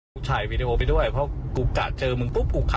ปัญญาหัวสมองมันกลับหรือฮะ